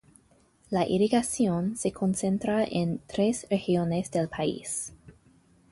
La irrigación se concentra en tres regiones del país.